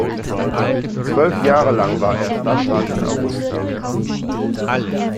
Zwölf Jahre lang war er Stadtrat in Augusta.